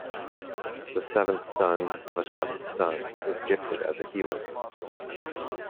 The seventh son of a seventh son is gifted as a healer.